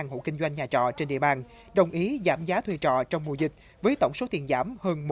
hộ kinh doanh nhà trọ trên địa bàn đồng ý giảm giá thuê trọ trong mùa dịch với tổng số tiền giảm hơn